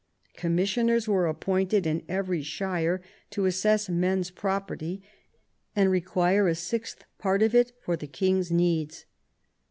Commissioners were appointed in every shire to assess men's property, and require a sixth part of it for the king's needs.